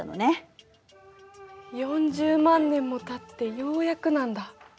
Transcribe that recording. ４０万年もたってようやくなんだ。